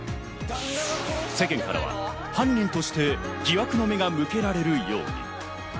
世間からは犯人として疑惑の目が向けられるように。